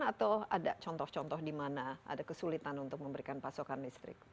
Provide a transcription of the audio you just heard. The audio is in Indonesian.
atau ada contoh contoh di mana ada kesulitan untuk memberikan pasokan listrik